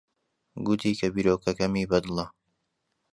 گوتی کە بیرۆکەکەمی بەدڵە.